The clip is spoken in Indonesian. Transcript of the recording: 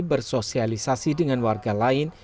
bersosialisasi dengan warga lain